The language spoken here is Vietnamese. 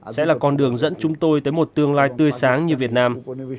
sẽ là con đường dẫn chúng tôi tới một tương lai tươi sáng như việt nam